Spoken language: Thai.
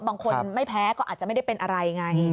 บางคนไม่แพ้ก็อาจจะไม่ได้เป็นอะไรไง